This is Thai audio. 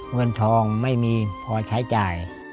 เงินทองไม่มีพอใช้จ่าย